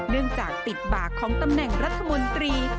เนื่องจากติดบากของตำแหน่งรัฐมนตรี